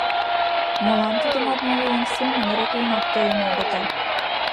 Молан тудымат моло еҥ семын рок йымак тоен огытыл?